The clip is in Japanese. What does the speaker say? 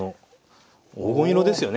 黄金色ですよね。